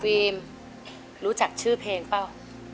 รู้จักชื่อเพลงเปล่า